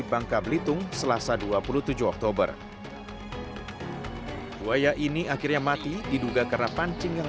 bangka belitung selasa dua puluh tujuh oktober buaya ini akhirnya mati diduga karena pancing yang